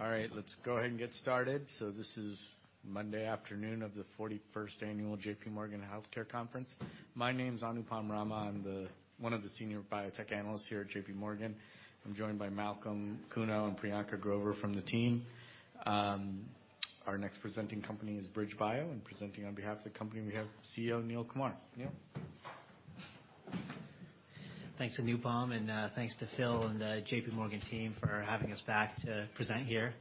All right. All right, let's go ahead and get started. This is Monday afternoon of the 41st annual J.P. Morgan Healthcare Conference. My name's Anupam Rama. I'm one of the senior biotech analysts here at J.P. Morgan. I'm joined by Malcolm Kuno and Priyanka Grover from the team. Our next presenting company is BridgeBio, and presenting on behalf of the company, we have CEO Neil Kumar. Neil? Thanks, Anupam, thanks to Phil and the J.P. Morgan team for having us back to present here.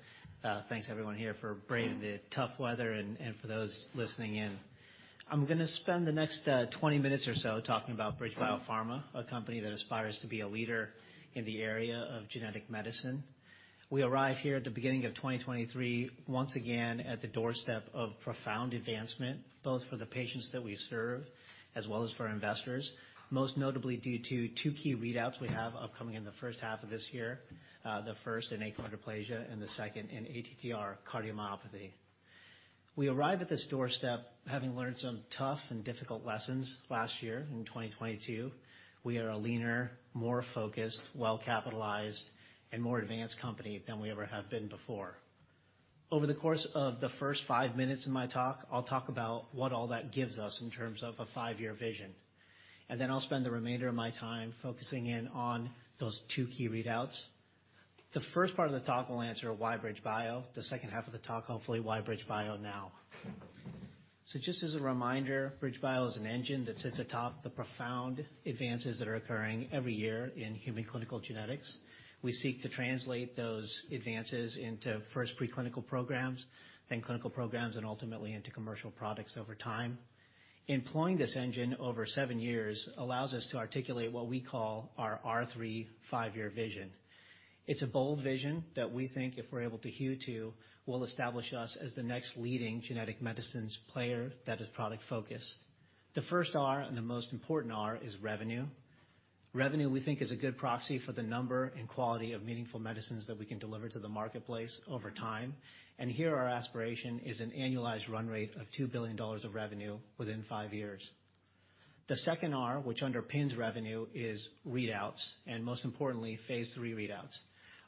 Thanks everyone here for braving the tough weather and for those listening in. I'm gonna spend the next 20 minutes or so talking about BridgeBio Pharma, a company that aspires to be a leader in the area of genetic medicine. We arrive here at the beginning of 2023, once again, at the doorstep of profound advancement, both for the patients that we serve as well as for our investors, most notably due to two key readouts we have upcoming in the first half of this year, the first in achondroplasia and the second in ATTR cardiomyopathy. We arrive at this doorstep having learned some tough and difficult lessons last year in 2022. We are a leaner, more focused, well-capitalized, and more advanced company than we ever have been before. Over the course of the first five minutes in my talk, I'll talk about what all that gives us in terms of a five-year vision, and then I'll spend the remainder of my time focusing in on those two key readouts. The first part of the talk will answer why BridgeBio? The second half of the talk, hopefully, why BridgeBio now. Just as a reminder, BridgeBio is an engine that sits atop the profound advances that are occurring every year in human clinical genetics. We seek to translate those advances into, first, preclinical programs, then clinical programs, and ultimately into commercial products over time. Employing this engine over seven years allows us to articulate what we call our R3 five-year vision. It's a bold vision that we think, if we're able to hew to, will establish us as the next leading genetic medicines player that is product-focused. The first R and the most important R is revenue. Revenue, we think, is a good proxy for the number and quality of meaningful medicines that we can deliver to the marketplace over time. Here our aspiration is an annualized run rate of $2 billion of revenue within five years. The second R, which underpins revenue, is readouts and, most importantly, phase III readouts.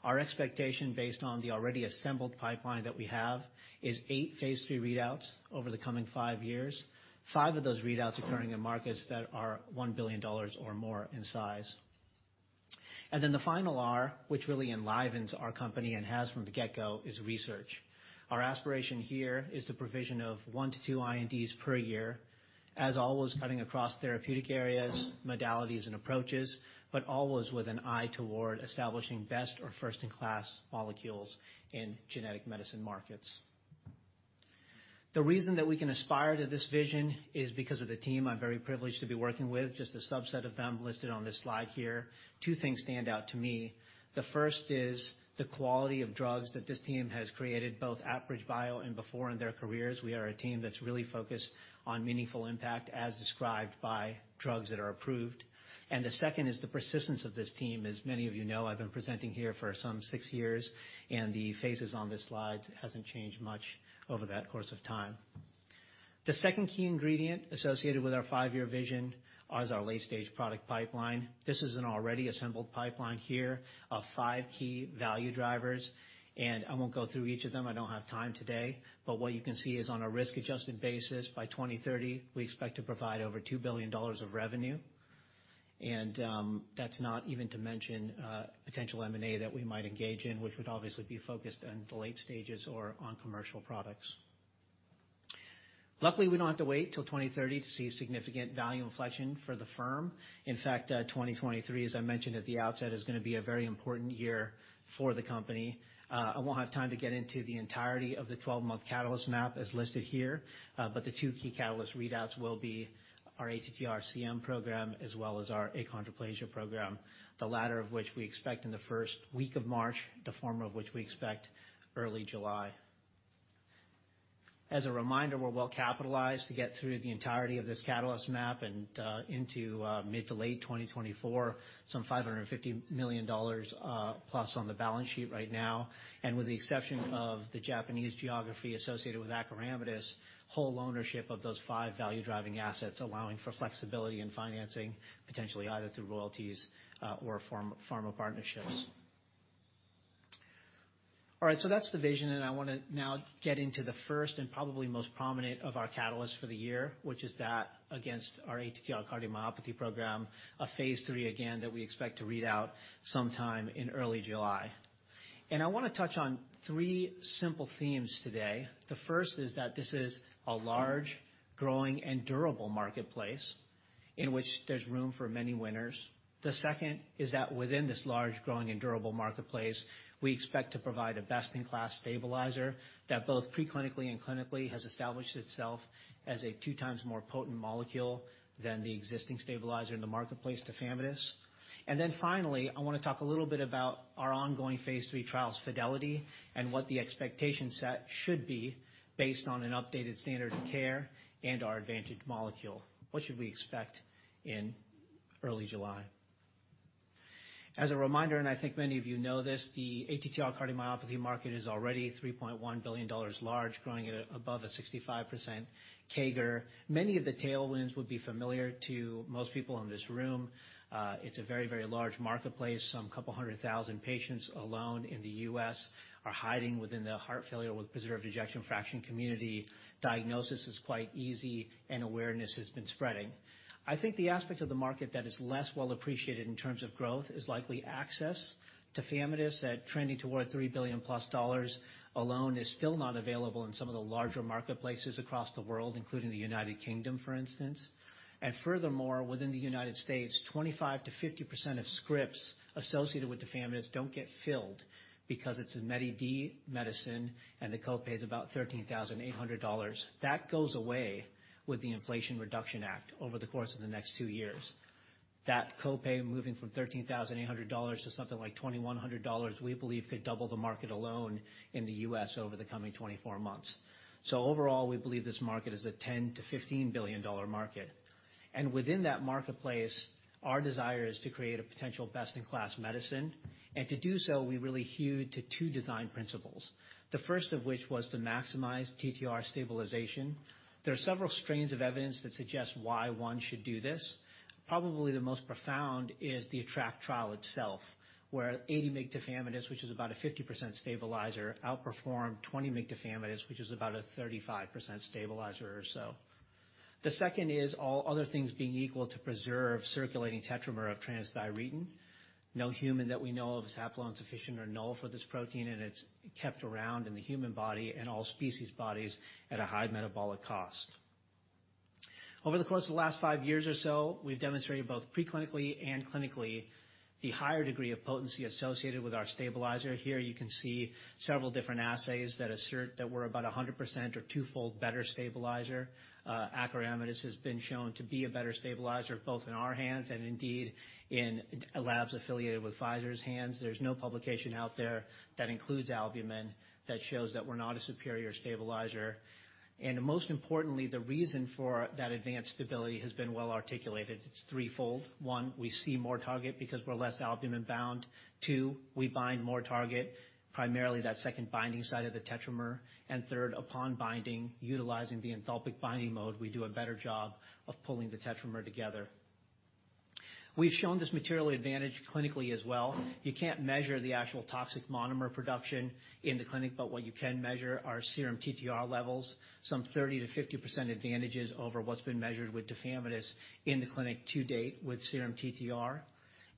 Our expectation based on the already assembled pipeline that we have is eight phase III readouts over the coming five years, five of those readouts occurring in markets that are $1 billion or more in size. The final R, which really enlivens our company and has from the get-go, is research. Our aspiration here is the provision of one to two INDs per year, as always, cutting across therapeutic areas, modalities, and approaches, but always with an eye toward establishing best or first-in-class molecules in genetic medicine markets. The reason that we can aspire to this vision is because of the team I'm very privileged to be working with, just a subset of them listed on this slide here. Two things stand out to me. The first is the quality of drugs that this team has created, both at BridgeBio and before in their careers. We are a team that's really focused on meaningful impact as described by drugs that are approved. The second is the persistence of this team. As many of you know, I've been presenting here for some six years, and the faces on this slide hasn't changed much over that course of time. The second key ingredient associated with our five year vision is our late-stage product pipeline. This is an already assembled pipeline here of five key value drivers. I won't go through each of them. I don't have time today. What you can see is on a risk-adjusted basis, by 2030, we expect to provide over $2 billion of revenue. That's not even to mention potential M&A that we might engage in, which would obviously be focused on the late stages or on commercial products. Luckily, we don't have to wait till 2030 to see significant value inflection for the firm. In fact, 2023, as I mentioned at the outset, is gonna be a very important year for the company. I won't have time to get into the entirety of the 12-month catalyst map as listed here. The two key catalyst readouts will be our ATTR-CM program as well as our achondroplasia program, the latter of which we expect in the first week of March, the former of which we expect early July. As a reminder, we're well capitalized to get through the entirety of this catalyst map and into mid to late 2024, some $550 million + on the balance sheet right now. With the exception of the Japanese geography associated with acoramidis, whole ownership of those five value-driving assets, allowing for flexibility in financing, potentially either through royalties or pharma partnerships. That's the vision, I wanna now get into the first and probably most prominent of our catalysts for the year, which is that against our ATTR cardiomyopathy program, a phase III, again, that we expect to read out sometime in early July. I wanna touch on three simple themes today. The first is that this is a large, growing, and durable marketplace in which there's room for many winners. The second is that within this large, growing, and durable marketplace, we expect to provide a best-in-class stabilizer that both pre-clinically and clinically has established itself as a two times more potent molecule than the existing stabilizer in the marketplace, tafamidis. Finally, I wanna talk a little bit about our ongoing phase III trial's fidelity and what the expectation set should be based on an updated standard of care and our advantage molecule. What should we expect in early July? As a reminder, and I think many of you know this, the ATTR cardiomyopathy market is already $3.1 billion large, growing at above a 65% CAGR. Many of the tailwinds would be familiar to most people in this room. It's a very, very large marketplace. Some couple hundred thousand patients alone in the U.S. are hiding within the heart failure with preserved ejection fraction community. Diagnosis is quite easy, and awareness has been spreading. I think the aspect of the market that is less well appreciated in terms of growth is likely access. Tafamidis said trending toward $3 billion-plus alone is still not available in some of the larger marketplaces across the world, including the United Kingdom, for instance. Furthermore, within the United States, 25%-50% of scripts associated with tafamidis don't get filled because it's a Medi-D medicine and the copay is about $13,800. That goes away with the Inflation Reduction Act over the course of the next two years. That copay moving from $13,800 to something like $2,100, we believe could double the market alone in the U.S. over the coming 24 months. Overall, we believe this market is a $10 billion-$15 billion market. Within that marketplace, our desire is to create a potential best-in-class medicine. To do so, we really hewed to two design principles, the first of which was to maximize TTR stabilization. There are several strains of evidence that suggest why one should do this. Probably the most profound is the ATTRACT trial itself, where 80 mg tafamidis, which is about a 50% stabilizer, outperformed 20 mg tafamidis, which is about a 35% stabilizer or so. The second is, all other things being equal, to preserve circulating tetramer of transthyretin. No human that we know of is haploinsufficient or null for this protein, and it's kept around in the human body and all species' bodies at a high metabolic cost. Over the course of the last five years or so, we've demonstrated both pre-clinically and clinically the higher degree of potency associated with our stabilizer. Here you can see several different assays that assert that we're about a 100% or twofold better stabilizer. Acoramidis has been shown to be a better stabilizer, both in our hands and indeed in labs affiliated with Pfizer Inc.'s hands. There's no publication out there that includes albumin that shows that we're not a superior stabilizer. Most importantly, the reason for that advanced stability has been well articulated. It's threefold. One, we see more target because we're less albumin-bound. Two, we bind more target, primarily that second binding site of the tetramer. Third, upon binding, utilizing the enthalpic binding mode, we do a better job of pulling the tetramer together. We've shown this material advantage clinically as well. You can't measure the actual toxic monomer production in the clinic, but what you can measure are serum TTR levels, some 30%-50% advantages over what's been measured with tafamidis in the clinic to date with serum TTR.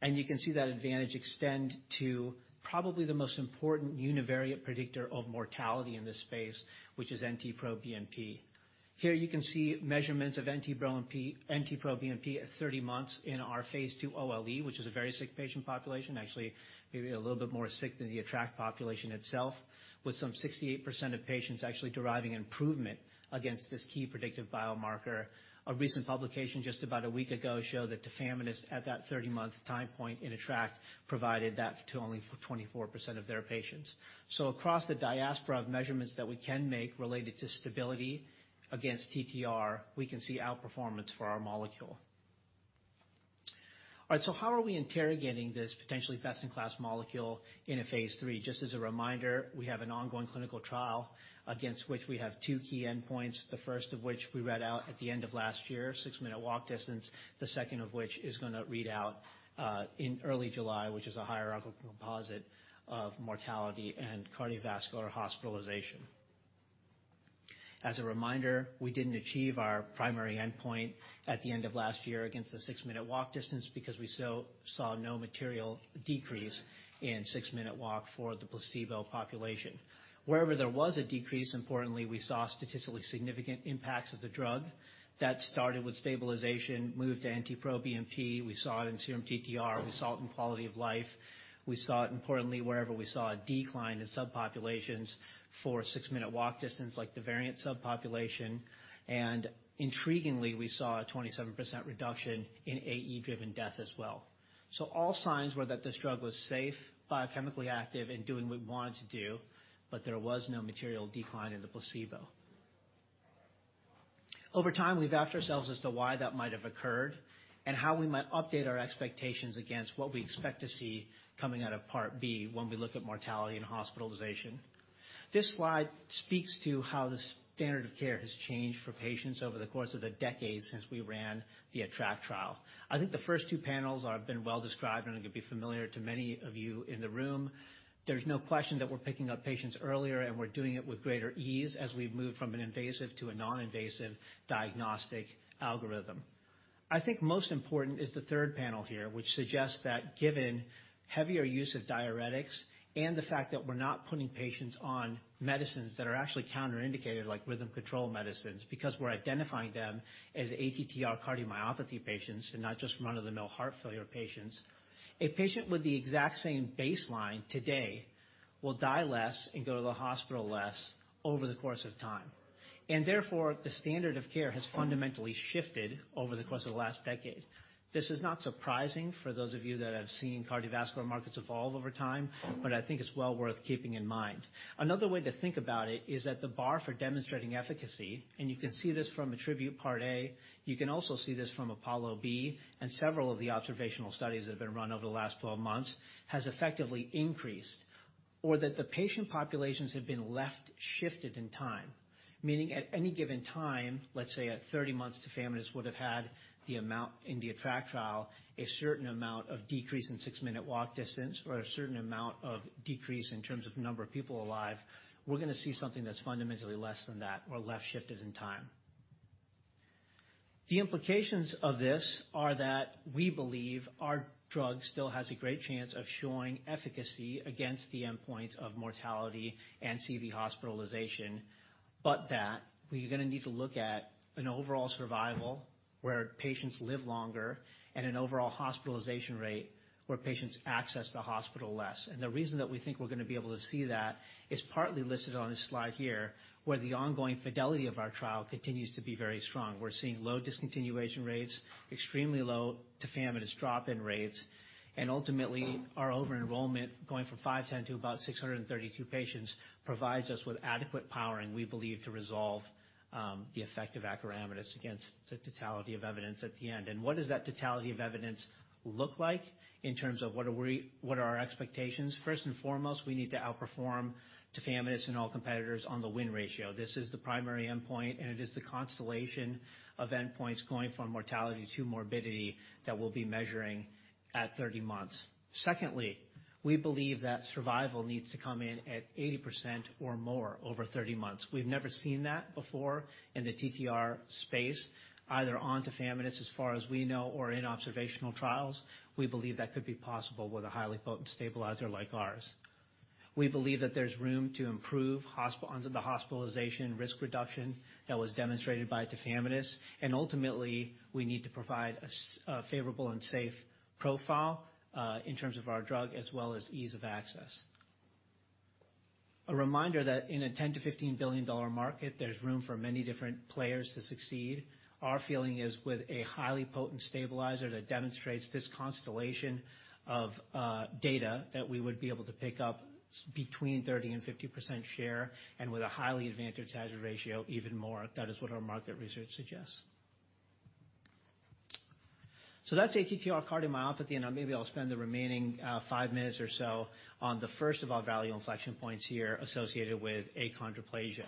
You can see that advantage extend to probably the most important univariate predictor of mortality in this space, which is NT-proBNP. Here you can see measurements of NT-proBNP, NT-proBNP at 30 months in our Phase II OLE, which is a very sick patient population, actually maybe a little bit more sick than the ATTRACT population itself, with some 68% of patients actually deriving improvement against this key predictive biomarker. A recent publication just about a week ago showed that tafamidis at that 30-month time point in ATTRACT provided that to only 24% of their patients. Across the diaspora of measurements that we can make related to stability against TTR, we can see outperformance for our molecule. All right, how are we interrogating this potentially best-in-class molecule in a phase III? Just as a reminder, we have an ongoing clinical trial against which we have two key endpoints, the first of which we read out at the end of last year, six-minute walk distance, the second of which is gonna read out in early July, which is a hierarchical composite of mortality and cardiovascular hospitalization. As a reminder, we didn't achieve our primary endpoint at the end of last year against the six-minute walk distance because we saw no material decrease in six-minute walk for the placebo population. Wherever there was a decrease, importantly, we saw statistically significant impacts of the drug. That started with stabilization, moved to NT-proBNP. We saw it in serum TTR. We saw it in quality of life. We saw it importantly wherever we saw a decline in subpopulations for six-minute walk distance, like the variant subpopulation. Intriguingly, we saw a 27% reduction in AE-driven death as well. All signs were that this drug was safe, biochemically active, and doing what we want it to do, but there was no material decline in the placebo. Over time, we've asked ourselves as to why that might have occurred and how we might update our expectations against what we expect to see coming out of part B when we look at mortality and hospitalization. This slide speaks to how the standard of care has changed for patients over the course of the decades since we ran the ATTRACT trial. I think the first two panels have been well described and are gonna be familiar to many of you in the room. There's no question that we're picking up patients earlier, and we're doing it with greater ease as we've moved from an invasive to a non-invasive diagnostic algorithm. I think most important is the third panel here, which suggests that given heavier use of diuretics and the fact that we're not putting patients on medicines that are actually contraindicated, like rhythm control medicines, because we're identifying them as ATTR cardiomyopathy patients and not just run-of-the-mill heart failure patients. A patient with the exact same baseline today will die less and go to the hospital less over the course of time. Therefore, the standard of care has fundamentally shifted over the course of the last decade. This is not surprising for those of you that have seen cardiovascular markets evolve over time, but I think it's well worth keeping in mind. Another way to think about it is that the bar for demonstrating efficacy, and you can see this from ATTRibute-CM part A, you can also see this from APOLLO-B, and several of the observational studies that have been run over the last 12 months, has effectively increased. That the patient populations have been left shifted in time. Meaning at any given time, let's say at 30 months, tafamidis would have had the amount in the ATTRACT trial, a certain amount of decrease in six-minute walk distance or a certain amount of decrease in terms of number of people alive. We're gonna see something that's fundamentally less than that or left shifted in time. The implications of this are that we believe our drug still has a great chance of showing efficacy against the endpoint of mortality and CV hospitalization, that we're gonna need to look at an overall survival where patients live longer and an overall hospitalization rate where patients access the hospital less. The reason that we think we're gonna be able to see that is partly listed on this slide here, where the ongoing fidelity of our trial continues to be very strong. We're seeing low discontinuation rates, extremely low tafamidis drop-in rates, and ultimately, our over-enrollment going from 510 to about 632 patients provides us with adequate power, and we believe to resolve the effect of acoramidis against the totality of evidence at the end. What does that totality of evidence look like in terms of what are our expectations? First and foremost, we need to outperform tafamidis and all competitors on the win ratio. This is the primary endpoint, and it is the constellation of endpoints going from mortality to morbidity that we'll be measuring at 30 months. Secondly, we believe that survival needs to come in at 80% or more over 30 months. We've never seen that before in the TTR space, either on tafamidis, as far as we know, or in observational trials. We believe that could be possible with a highly potent stabilizer like ours. We believe that there's room to improve the hospitalization risk reduction that was demonstrated by tafamidis. Ultimately, we need to provide a favorable and safe profile in terms of our drug as well as ease of access. A reminder that in a $10 billion-$15 billion market, there's room for many different players to succeed. Our feeling is with a highly potent stabilizer that demonstrates this constellation of data that we would be able to pick up between 30% and 50% share, and with a highly advantaged hazard ratio, even more. That is what our market research suggests. That's ATTR cardiomyopathy, and maybe I'll spend the remaining five minutes or so on the first of our value inflection points here associated with achondroplasia.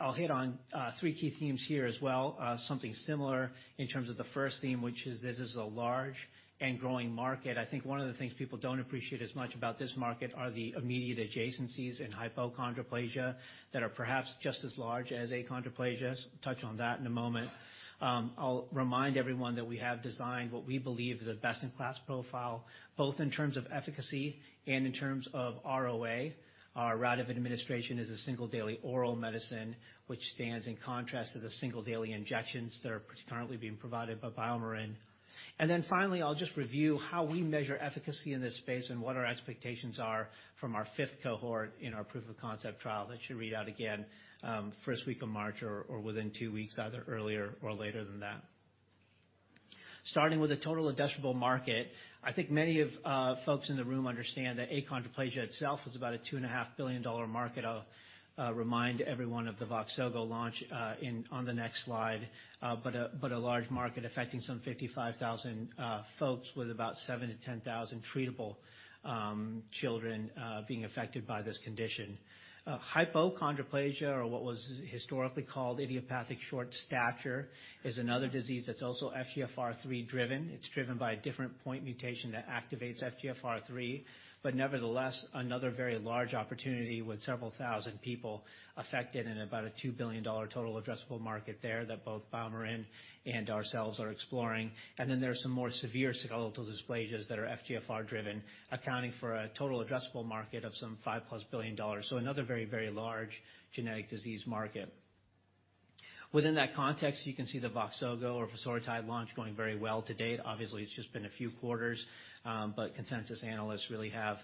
I'll hit on thee key themes here as well. Something similar in terms of the first theme, which is this is a large and growing market. I think one of the things people don't appreciate as much about this market are the immediate adjacencies in hypochondroplasia that are perhaps just as large as achondroplasia. Touch on that in a moment. I'll remind everyone that we have designed what we believe is a best-in-class profile, both in terms of efficacy and in terms of ROA. Our route of administration is a single daily oral medicine, which stands in contrast to the single daily injections that are currently being provided by BioMarin. Finally, I'll just review how we measure efficacy in this space and what our expectations are from our fifth cohort in our proof of concept trial. That should read out again, first week of March or within two weeks, either earlier or later than that. Starting with the total addressable market, I think many of folks in the room understand that achondroplasia itself is about a two and a half billion dollar market. I'll remind everyone of the Voxzogo launch on the next slide. A large market affecting some 55,000 folks with about 7,000-10,000 treatable children being affected by this condition. Hypochondroplasia, or what was historically called idiopathic short stature, is another disease that's also FGFR3-driven. It's driven by a different point mutation that activates FGFR3, but nevertheless, another very large opportunity with several thousand people affected and about a $2 billion total addressable market there that both BioMarin and ourselves are exploring. There are some more severe skeletal dysplasias that are FGFR-driven, accounting for a total addressable market of some $5+ billion. Another very, very large genetic disease market. Within that context, you can see the Voxzogo or vosoritide launch going very well to date. Obviously, it's just been a few quarters, but consensus analysts really have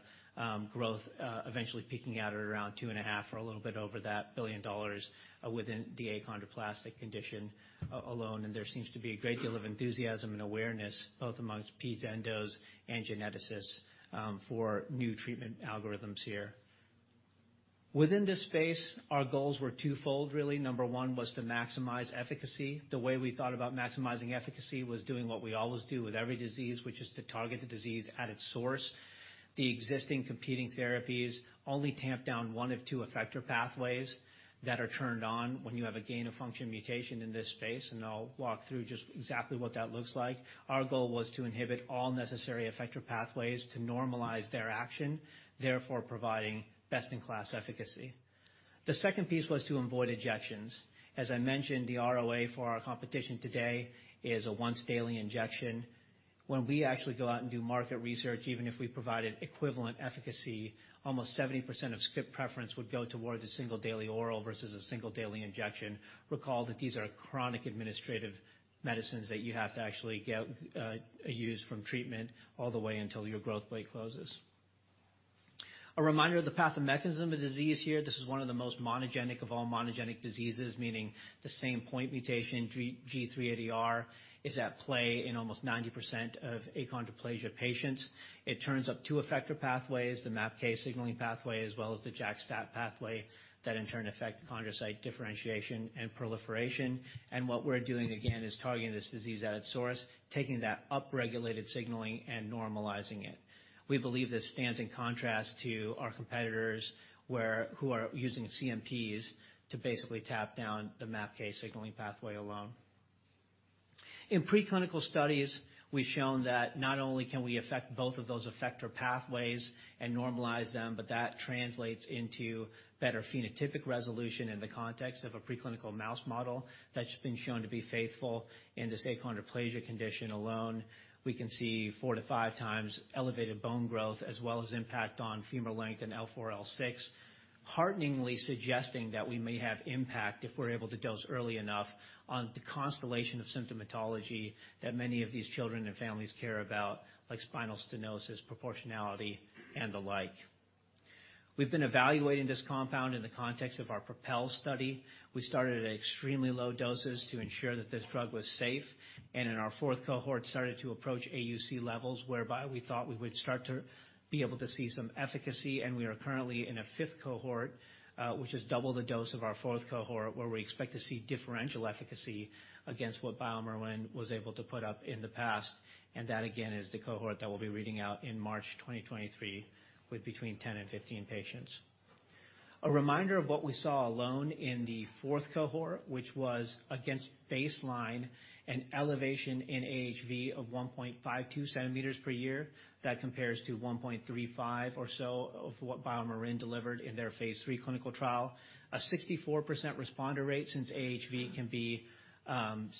growth eventually peaking out at around $2.5 billion or a little bit over that within the achondroplastic condition alone. There seems to be a great deal of enthusiasm and awareness, both amongst peds endos and geneticists, for new treatment algorithms here. Within this space, our goals were two fold, really. Number one was to maximize efficacy. The way we thought about maximizing efficacy was doing what we always do with every disease, which is to target the disease at its source. The existing competing therapies only tamp down one of two effector pathways that are turned on when you have a gain-of-function mutation in this space. I'll walk through just exactly what that looks like. Our goal was to inhibit all necessary effector pathways to normalize their action, therefore providing best-in-class efficacy. The second piece was to avoid injections. As I mentioned, the ROA for our competition today is a once-daily injection. When we actually go out and do market research, even if we provided equivalent efficacy, almost 70% of skip preference would go towards a single daily oral versus a single daily injection. Recall that these are chronic administrative medicines that you have to actually get a use from treatment all the way until your growth plate closes. A reminder of the pathomechanism of disease here. This is one of the most monogenic of all monogenic diseases, meaning the same point mutation G380R is at play in almost 90% of achondroplasia patients. It turns up two effector pathways, the MAPK signaling pathway, as well as the JAK-STAT pathway, that in turn affect chondrocyte differentiation and proliferation. What we're doing, again, is targeting this disease at its source, taking that upregulated signaling and normalizing it. We believe this stands in contrast to our competitors who are using CNPs to basically tap down the MAPK signaling pathway alone. In preclinical studies, we've shown that not only can we affect both of those effector pathways and normalize them, but that translates into better phenotypic resolution in the context of a preclinical mouse model that's been shown to be faithful. In the achondroplasia condition alone, we can see four to five times elevated bone growth as well as impact on femur length in L4, L6. Hearteningly suggesting that we may have impact if we're able to dose early enough on the constellation of symptomatology that many of these children and families care about, like spinal stenosis, proportionality, and the like. We've been evaluating this compound in the context of our PROPEL study. We started at extremely low doses to ensure that this drug was safe, and in our fourth cohort started to approach AUC levels whereby we thought we would start to be able to see some efficacy. We are currently in a fifth cohort, which is double the dose of our fourth cohort, where we expect to see differential efficacy against what BioMarin was able to put up in the past. That, again, is the cohort that we'll be reading out in March 2023 with between 10 and 15 patients. A reminder of what we saw alone in the fourth cohort, which was against baseline, an elevation in AHV of 1.52 cm per year. That compares to 1.35 or so of what BioMarin delivered in their phase III clinical trial. A 64% responder rate since AHV can be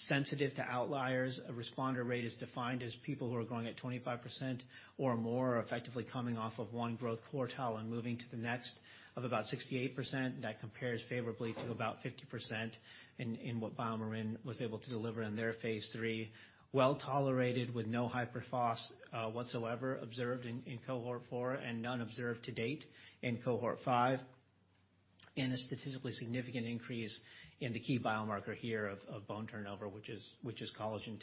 sensitive to outliers. A responder rate is defined as people who are growing at 25% or more effectively coming off of one growth quartile and moving to the next of about 68%. That compares favorably to about 50% in what BioMarin was able to deliver in their phase III. Well-tolerated with no hyperphos whatsoever observed in cohort four and none observed to date in cohort five. A statistically significant increase in the key biomarker here of bone turnover, which is Collagen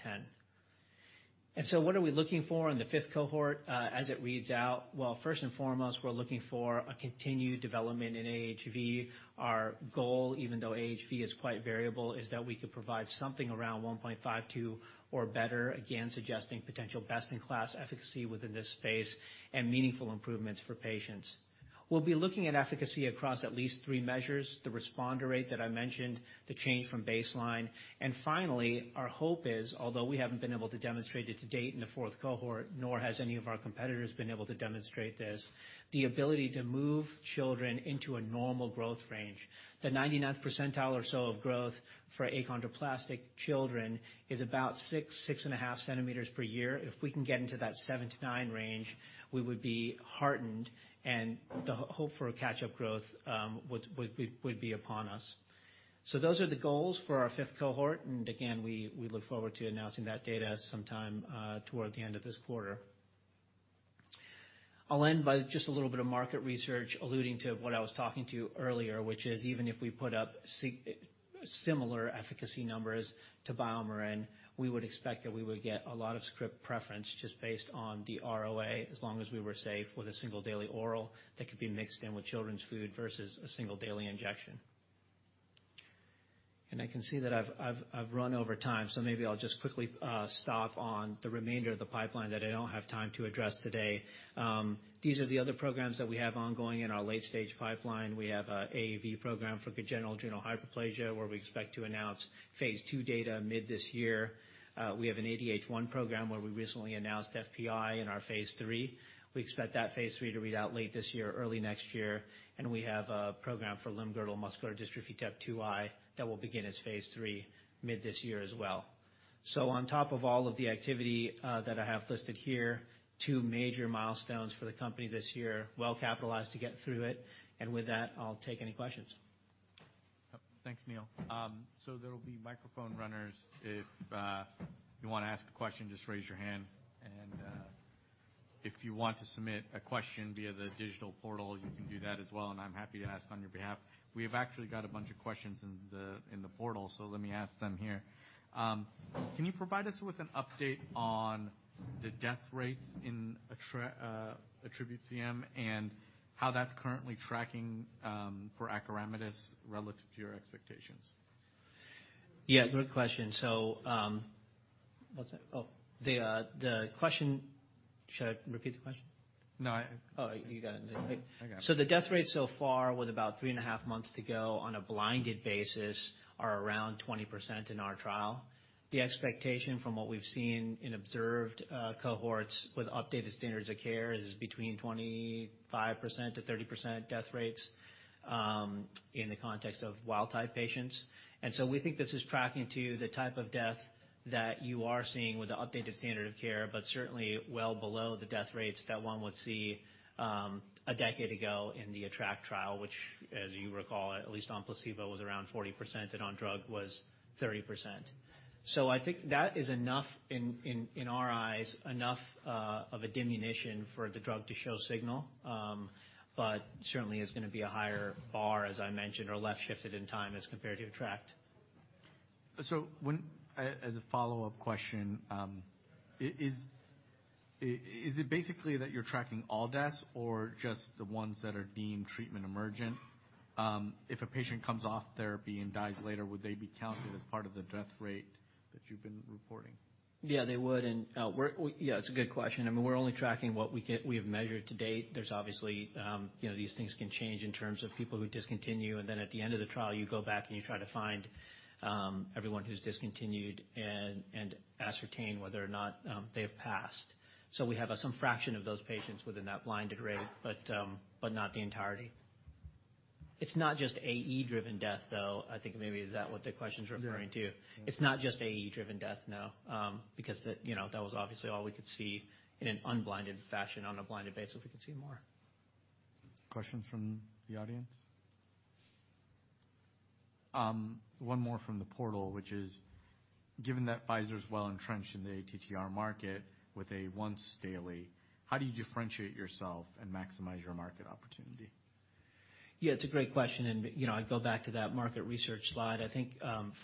X. What are we looking for in the fifth cohort, as it reads out? Well, first and foremost, we're looking for a continued development in AHV. Our goal, even though AHV is quite variable, is that we could provide something around 1.52 or better, again suggesting potential best-in-class efficacy within this space and meaningful improvements for patients. We'll be looking at efficacy across at least three measures, the responder rate that I mentioned, the change from baseline. Finally, our hope is, although we haven't been able to demonstrate it to date in the fourth cohort, nor has any of our competitors been able to demonstrate this, the ability to move children into a normal growth range. The 99th percentile or so of growth for achondroplastic children is about 6.5 cm per year. If we can get into that seven to nine range, we would be heartened, and the hope for a catch-up growth would be upon us. Those are the goals for our fifth cohort, and again, we look forward to announcing that data sometime toward the end of this quarter. I'll end by just a little bit of market research alluding to what I was talking to earlier, which is even if we put up similar efficacy numbers to BioMarin, we would expect that we would get a lot of script preference just based on the ROA, as long as we were safe with a single daily oral that could be mixed in with children's food versus a single daily injection. I can see that I've run over time, so maybe I'll just quickly stop on the remainder of the pipeline that I don't have time to address today. These are the other programs that we have ongoing in our late-stage pipeline. We have a AAV program for congenital adrenal hyperplasia, where we expect to announce phase II data mid this year. We have an ADH1 program where we recently announced FPI in our phase III. We expect that phase III to read out late this year or early next year. We have a program for limb-girdle muscular dystrophy type 2I that will begin its phase III mid this year as well. On top of all of the activity that I have listed here, two major milestones for the company this year, well-capitalized to get through it. With that, I'll take any questions. Thanks, Neil. There will be microphone runners. If you wanna ask a question, just raise your hand. If you want to submit a question via the digital portal, you can do that as well, and I'm happy to ask on your behalf. We have actually got a bunch of questions in the, in the portal, so let me ask them here. Can you provide us with an update on the death rates in ATTRibute-CM and how that's currently tracking for Acoramidis relative to your expectations? Yeah, good question. what's that? the question... Should I repeat the question? No. Oh, you got it. I got it. The death rates so far, with about three and a half months to go on a blinded basis, are around 20% in our trial. The expectation from what we've seen in observed cohorts with updated standards of care is between 25%-30% death rates in the context of wild type patients. We think this is tracking to the type of death that you are seeing with the updated standard of care, but certainly well below the death rates that one would see a decade ago in the ATTRACT trial, which as you recall, at least on placebo, was around 40% and on drug was 30%. I think that is enough in our eyes, enough of a diminution for the drug to show signal. certainly is gonna be a higher bar, as I mentioned, or left shifted in time as compared to ATTRACT. When as a follow-up question, is it basically that you're tracking all deaths or just the ones that are deemed treatment emergent? If a patient comes off therapy and dies later, would they be counted as part of the death rate that you've been reporting? Yeah, they would. Yeah, it's a good question. I mean, we're only tracking what we get... we have measured to date. There's obviously, you know, these things can change in terms of people who discontinue, and then at the end of the trial you go back and you try to find everyone who's discontinued and ascertain whether or not they have passed. So we have some fraction of those patients within that blind degree, but not the entirety. It's not just AE-driven death, though. I think maybe is that what the question's referring to? Yeah. It's not just AE-driven death, no. Because the, you know, that was obviously all we could see in an unblinded fashion on a blinded basis, we could see more. Questions from the audience? One more from the portal, which is, given that Pfizer's well entrenched in the ATTR market with a once daily, how do you differentiate yourself and maximize your market opportunity? Yeah, it's a great question, and, you know, I'd go back to that market research slide. I think,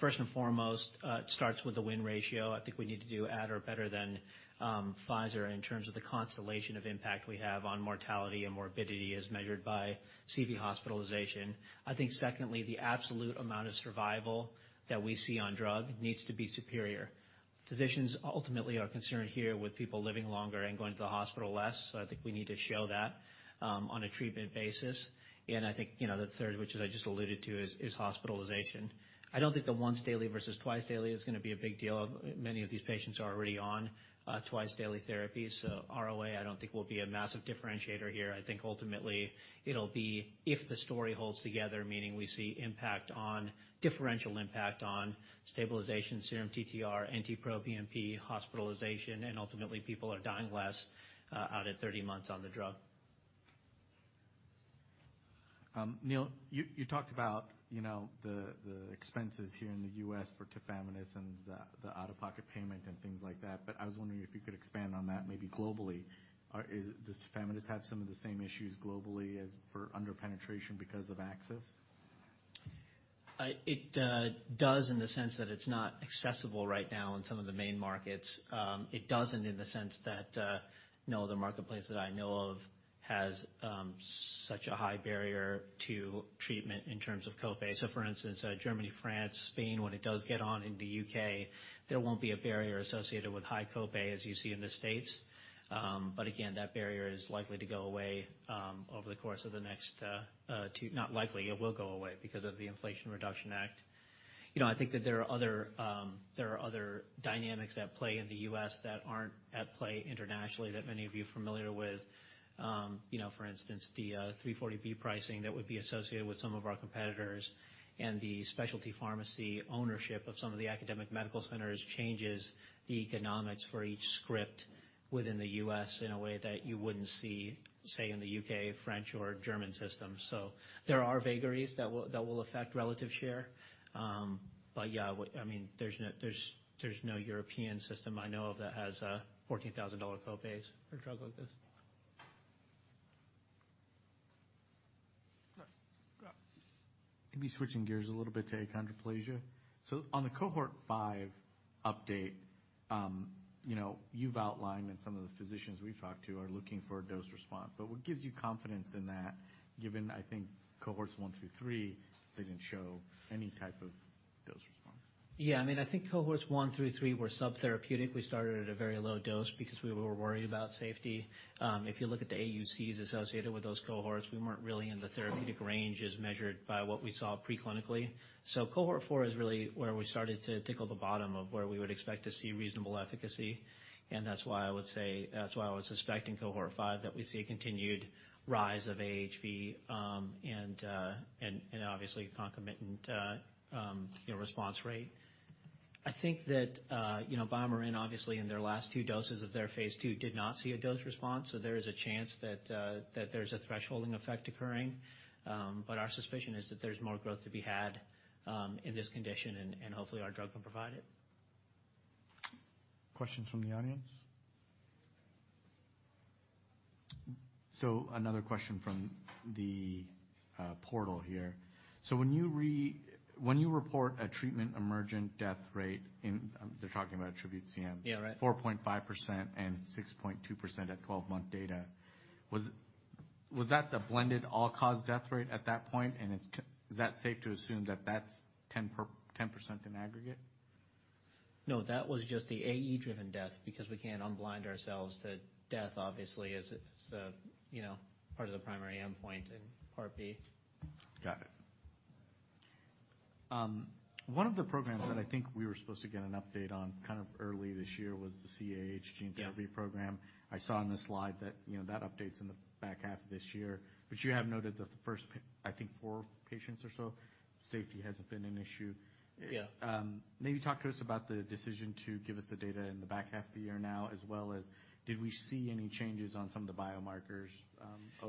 first and foremost, it starts with the win ratio. I think we need to do at or better than Pfizer in terms of the constellation of impact we have on mortality and morbidity as measured by CV hospitalization. I think secondly, the absolute amount of survival that we see on drug needs to be superior. Physicians ultimately are concerned here with people living longer and going to the hospital less, so I think we need to show that, on a treatment basis. I think, you know, the third, which I just alluded to is hospitalization. I don't think the once daily versus twice daily is gonna be a big deal. Many of these patients are already on, twice daily therapy, so ROA, I don't think will be a massive differentiator here. I think ultimately it'll be if the story holds together, meaning we see differential impact on stabilization, serum TTR, NT-proBNP, hospitalization, and ultimately people are dying less, out at 30 months on the drug. Neil, you talked about, you know, the expenses here in the U.S. for tafamidis and the out-of-pocket payment and things like that, but I was wondering if you could expand on that maybe globally. Does tafamidis have some of the same issues globally as per under-penetration because of access? It does in the sense that it's not accessible right now in some of the main markets. It doesn't in the sense that no other marketplace that I know of has such a high barrier to treatment in terms of copay. For instance, Germany, France, Spain, when it does get on in the U.K., there won't be a barrier associated with high copay as you see in the States. Again, that barrier is likely to go away over the course of the next. Not likely, it will go away because of the Inflation Reduction Act. You know, I think that there are other dynamics at play in the U.S. that aren't at play internationally that many of you are familiar with. You know, for instance, the 340B pricing that would be associated with some of our competitors and the specialty pharmacy ownership of some of the academic medical centers changes the economics for each script within the U.S. in a way that you wouldn't see, say, in the U.K., French, or German system. There are vagaries that will affect relative share. But yeah, I mean, there's no European system I know of that has $14,000 copays for a drug like this. Maybe switching gears a little bit to achondroplasia. On the cohort five update, you know, you've outlined and some of the physicians we've talked to are looking for a dose response. What gives you confidence in that given, I think, cohorts one through three didn't show any type of dose response? Yeah. I mean, I think cohorts one through three were subtherapeutic. We started at a very low dose because we were worried about safety. If you look at the AUCs associated with those cohorts, we weren't really in the therapeutic range as measured by what we saw pre-clinically. Cohort four is really where we started to tickle the bottom of where we would expect to see reasonable efficacy. That's why I was suspecting cohort five, that we see a continued rise of AHV, and obviously concomitant, you know, response rate. I think that, you know, BioMarin obviously in their last two doses of their phase II did not see a dose response. There is a chance that there's a thresholding effect occurring. Our suspicion is that there's more growth to be had, in this condition and hopefully our drug can provide it. Questions from the audience? Another question from the portal here. When you report a treatment emergent death rate in... They're talking about ATTRibute-CM. Yeah, right. 4.5% and 6.2% at 12-month data. Was that the blended all-cause death rate at that point? Is that safe to assume that that's 10% in aggregate? That was just the AE-driven death because we can't unblind ourselves to death obviously as a, you know, part of the primary endpoint in Part B. Got it. One of the programs that I think we were supposed to get an update on kind of early this year was the CAH gene therapy program. Yeah. I saw in the slide that, you know, that update's in the back half of this year. You have noted that the first I think four patients or so, safety hasn't been an issue. Yeah. Maybe talk to us about the decision to give us the data in the back half of the year now, as well as did we see any changes on some of the biomarkers? I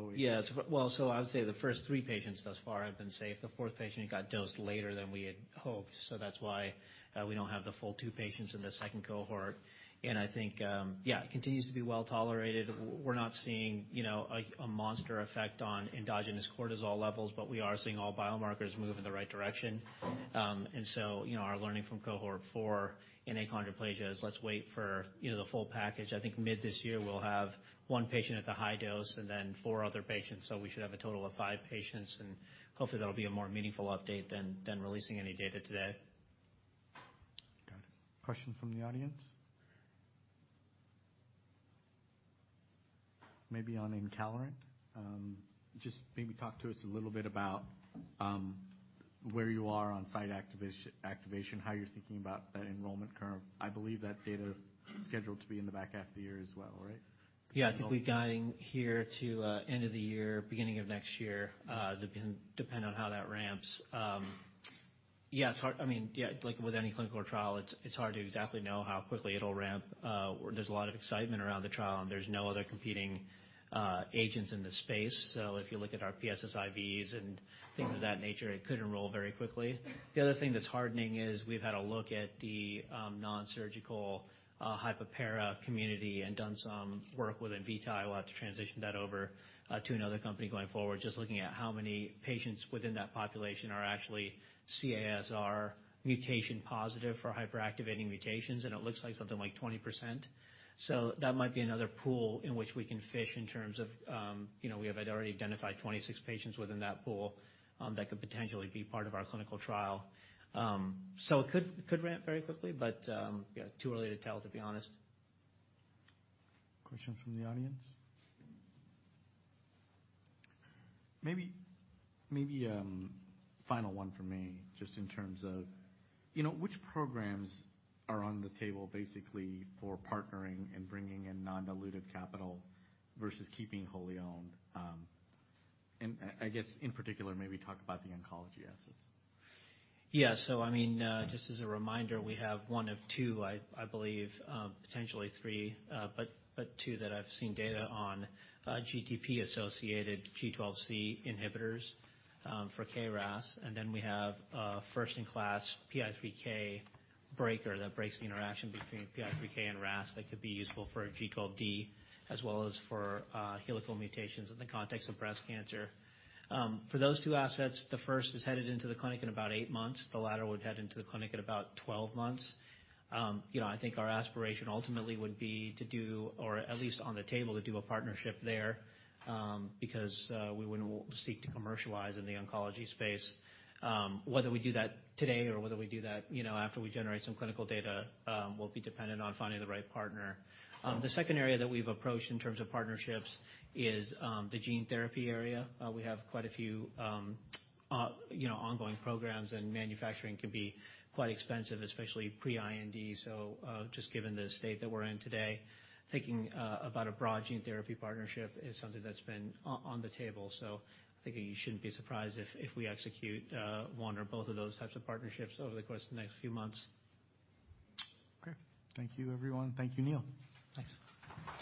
would say the first three patients thus far have been safe. The fourth patient got dosed later than we had hoped, so that's why we don't have the full two patients in the second cohort. I think, yeah, it continues to be well-tolerated. We're not seeing, you know, a monster effect on endogenous cortisol levels, but we are seeing all biomarkers move in the right direction. You know, our learning from cohort four in achondroplasia is let's wait for, you know, the full package. I think mid this year we'll have one patient at the high dose and then four other patients, so we should have a total of five patients. Hopefully that'll be a more meaningful update than releasing any data today. Got it. Questions from the audience? Maybe on Encaleret. Just maybe talk to us a little bit about where you are on site activation, how you're thinking about that enrollment curve. I believe that data is scheduled to be in the back half of the year as well, right? Yeah. I think we're guiding here to end of the year, beginning of next year, depend on how that ramps. I mean, yeah, like with any clinical trial, it's hard to exactly know how quickly it'll ramp. There's a lot of excitement around the trial, there's no other competing agents in the space. If you look at our PSSVs and things of that nature, it could enroll very quickly. The other thing that's heartening is we've had a look at the nonsurgical hypopara community and done some work with Invitae. We'll have to transition that over to another company going forward. Just looking at how many patients within that population are actually CASR mutation positive for hyperactivating mutations, it looks like something like 20%. That might be another pool in which we can fish in terms of, you know, we have had already identified 26 patients within that pool that could potentially be part of our clinical trial. It could ramp very quickly, but, yeah, too early to tell, to be honest. Questions from the audience? Maybe, final one from me, just in terms of, you know, which programs are on the table basically for partnering and bringing in non-dilutive capital versus keeping wholly owned? I guess in particular, maybe talk about the oncology assets. Yeah. I mean, just as a reminder, we have one of two, I believe, potentially three, but two that I've seen data on, GTP-bound G12C inhibitors, for KRAS. We have a first in class PI3K breaker that breaks the interaction between PI3K and RAS that could be useful for G12D as well as for helical mutations in the context of breast cancer. For those two assets, the first is headed into the clinic in about eight months. The latter would head into the clinic at about 12 months. You know, I think our aspiration ultimately would be to do or at least on the table to do a partnership there, because we wouldn't want to seek to commercialize in the oncology space. Whether we do that today or whether we do that, you know, after we generate some clinical data, will be dependent on finding the right partner. The second area that we've approached in terms of partnerships is the gene therapy area. We have quite a few, you know, ongoing programs, and manufacturing can be quite expensive, especially pre-IND. Just given the state that we're in today, thinking about a broad gene therapy partnership is something that's been on the table. I'm thinking you shouldn't be surprised if we execute one or both of those types of partnerships over the course of the next few months. Okay. Thank you, everyone. Thank you, Neil. Thanks.